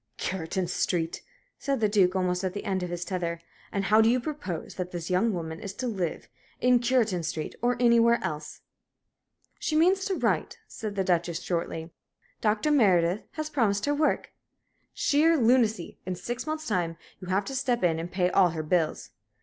"Cureton Street!" said the Duke, almost at the end of his tether. "And how do you propose that this young woman is to live in Cureton Street, or anywhere else?" "She means to write," said the Duchess, shortly. "Dr. Meredith has promised her work." "Sheer lunacy! In six months time you'd have to step in and pay all her bills."